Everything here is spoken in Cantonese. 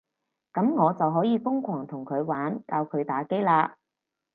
噉我就可以瘋狂同佢玩，教佢打機喇